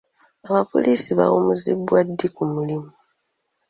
Abapoliisi bawummuzibwa ddi ku mulimu?